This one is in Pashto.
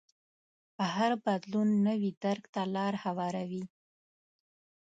هر بدلون نوي درک ته لار هواروي.